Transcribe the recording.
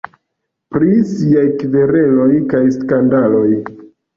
Pri siaj kvereloj kaj skandaloj.